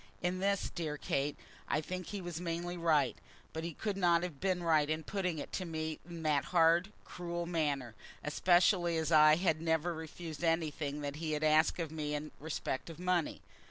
In this, dear Kate, I think he was mainly right. But he could not have been right in putting it to me in that hard, cruel manner, especially as I had never refused anything that he had asked of me in respect of money.